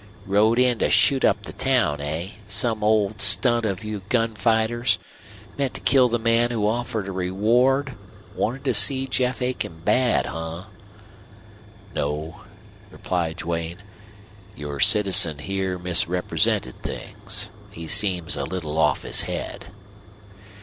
"Rode in to shoot up the town, eh? Same old stunt of you gunfighters? Meant to kill the man who offered a reward? Wanted to see Jeff Aiken bad, huh?" "No," replied Duane. "Your citizen here misrepresented things. He seems a little off his head."